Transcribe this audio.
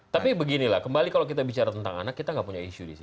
tapi beginilah kembali kalau kita bicara tentang anak kita gak punya isu di sini